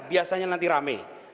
biasanya nanti rame